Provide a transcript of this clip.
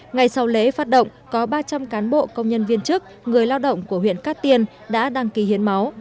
ngày sau lễ phát động có ba trăm linh cán bộ công nhân viên chức người lao động của huyện cát tiên đã đăng ký hiến máu